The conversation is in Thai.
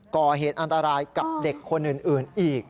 ก่อเหตุอันตรายกับเด็กคนอื่นอีก